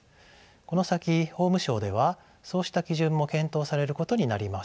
この先法務省ではそうした基準も検討されることになります。